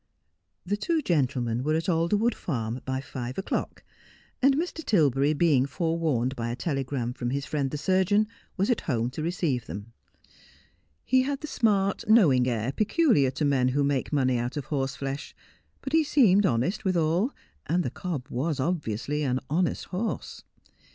The two n'entlemen were at Alderwood Farm by five o'clock, and Mr. Tilberry, being forewarned by a telegram from his friend the surgeon, was at home to receive them. He had the smart, knowing air peculiar to men who make money out of horseflesh ; but he seemed honest withal, and the cob was obviously an honest horse.